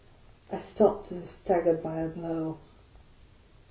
I stopped as if staggered by a blow.